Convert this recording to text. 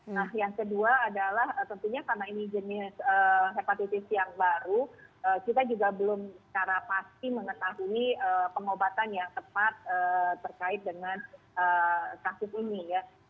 nah yang kedua adalah tentunya karena ini jenis hepatitis yang baru kita juga belum secara pasti mengetahui pengobatan yang tepat terkait dengan kasus ini ya